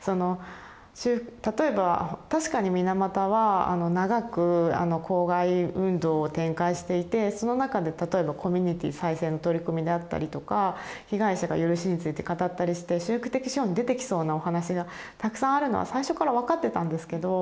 例えば確かに水俣は長く公害運動を展開していてその中で例えばコミュニティー再生の取り組みであったりとか被害者が赦しについて語ったりして修復的司法に出てきそうなお話がたくさんあるのは最初から分かってたんですけど。